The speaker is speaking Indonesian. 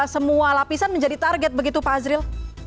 semua lapisan menjadi target begitu pak azril